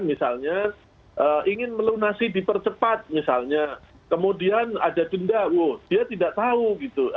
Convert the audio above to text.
misalnya ingin melunasi dipercepat misalnya kemudian ada denda oh dia tidak tahu gitu